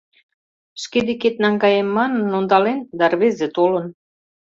Шке декет наҥгаем манын ондален, да рвезе толын.